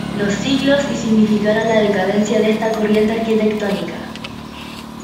Los siglos y significaron la decadencia de esta corriente arquitectónica.